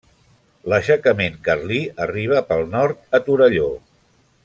L'aixecament carlí arriba pel nord a Torelló.